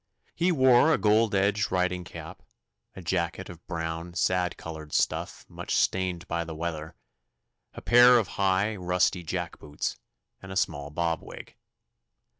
He wore a gold edged riding cap, a jacket of brown sad coloured stuff much stained by the weather, a pair of high rusty jack boots, and a small bob wig.